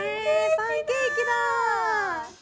パンケーキだ！